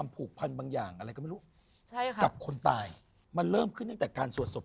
มันเป็นยังไงครับ